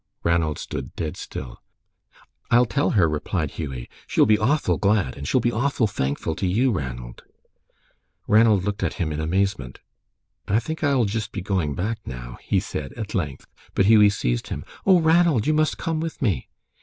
Ranald stood dead still. "I'll tell her," replied Hughie. "She'll be awful glad. And she'll be awful thankful to you, Ranald." Ranald looked at him in amazement. "I think I will jist be going back now," he said, at length. But Hughie seized him. "Oh, Ranald, you must come with me."